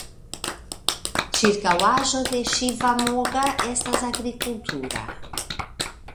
Ĉirkaŭaĵo de Ŝivamogga estas agrikultura.